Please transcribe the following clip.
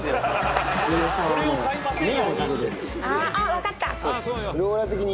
分かった。